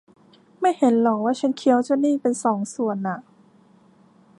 ไม่เห็นหรอว่าฉันเคี้ยวเจ้านี้เป็นสองส่วนน่ะ